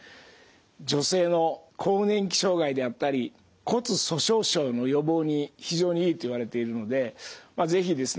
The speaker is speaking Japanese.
女性の更年期障害であったり骨粗しょう症の予防に非常にいいといわれているので是非ですね